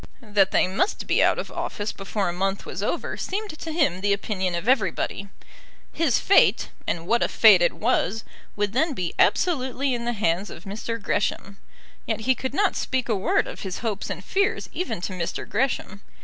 That they must be out of office before a month was over seemed to him the opinion of everybody. His fate, and what a fate it was! would then be absolutely in the hands of Mr. Gresham. Yet he could not speak a word of his hopes and fears even to Mr. Gresham.